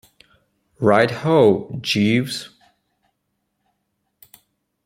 Right ho, Jeeves.